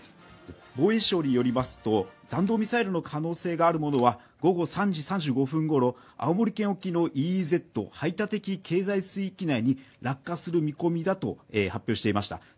防衛省によりますと、弾道ミサイルの可能性があるものは午後３時３５分ごろ、青森県沖のＥＥＺ＝排他的経済水域内に落下する見込みだと発表していました。